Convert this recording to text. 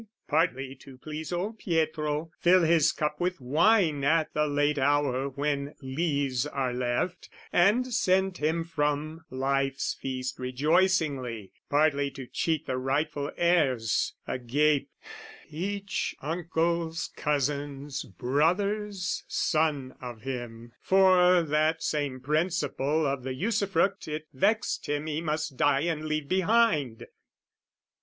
Partly to please old Pietro, fill his cup With wine at the late hour when lees are left, And send him from life's feast rejoicingly, Partly to cheat the rightful heirs, agape, Each uncle's cousin's brother's son of him, For that same principal of the usufruct It vext him he must die and leave behind.